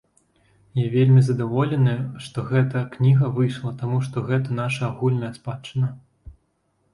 Я вельмі задаволены, што гэта кніга выйшла, таму што гэта наша агульная спадчына.